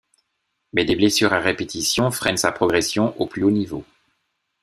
Mais des blessures à répétition freinent sa progression au plus haut niveau.